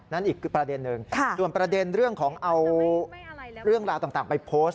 อีกประเด็นหนึ่งส่วนประเด็นเรื่องของเอาเรื่องราวต่างไปโพสต์